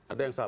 ada yang salah